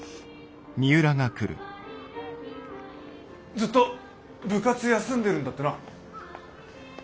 ずっと部活休んでるんだってな。